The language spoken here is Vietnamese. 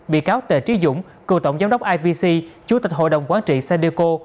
bị cáo tề trí dũng cựu tổng giám đốc ipc chú tịch hội đồng quán trị sedeco